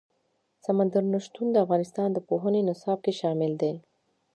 سمندر نه شتون د افغانستان د پوهنې نصاب کې شامل دي.